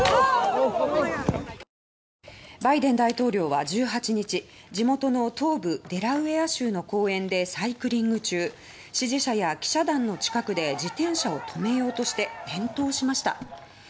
バイデン大統領は１８日地元の東部デラウェア州の公園でサイクリング中支持者や記者団の近くで自転車を止めようとして転倒しました。